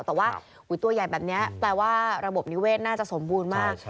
แต่ว่าตัวใหญ่แบบนี้แปลว่าระบบนิเวศน่าจะสมบูรณ์มาก